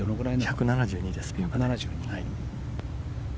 １７２ですピンまで。